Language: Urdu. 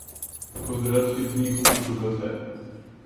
قدرت کتنی خوب صورت ہے